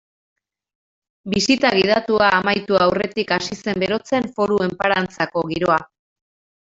Bisita gidatua amaitu aurretik hasi zen berotzen Foru Enparantzako giroa.